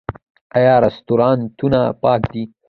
آیا رستورانتونه پاک دي؟